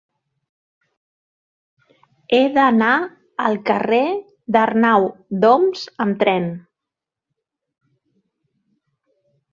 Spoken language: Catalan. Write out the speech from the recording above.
He d'anar al carrer d'Arnau d'Oms amb tren.